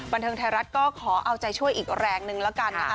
บันเทิงไทยรัฐก็ขอเอาใจช่วยอีกแรงนึงแล้วกันนะคะ